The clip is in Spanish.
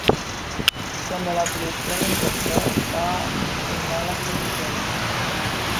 Cuando la policía lo encontró, estaba en malas condiciones.